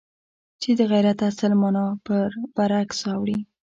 چې د غیرت اصل مانا پر برعکس اوړي.